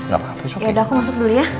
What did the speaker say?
gak apa apa yaudah aku masuk beli ya